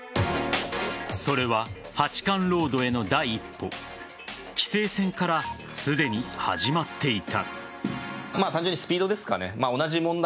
それは、八冠ロードへの第一歩棋聖戦から、すでに始まっていた。